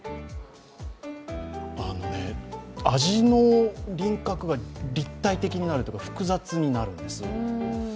あのね、味の輪郭が立体的になるというか複雑になるんです。